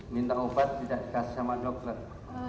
minta obat tidak dikasih sama dokter